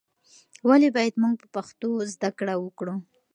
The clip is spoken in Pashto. ولې باید موږ په پښتو زده کړه وکړو؟